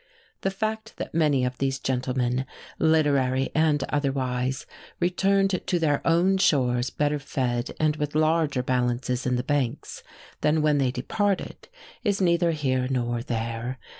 The fact that many of these gentlemen literary and otherwise returned to their own shores better fed and with larger balances in the banks than when they departed is neither here nor there.